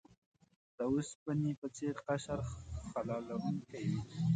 د اوسپنې په څیر قشر خلا لرونکی وي.